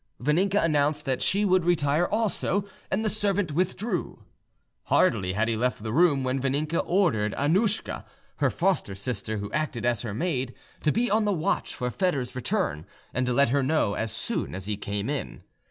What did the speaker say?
Vaninka announced that she would retire also, and the servant withdrew. Hardly had he left the room when Vaninka ordered Annouschka, her foster sister, who acted as her maid, to be on the watch for Foedor's return, and to let her know as soon as he came in.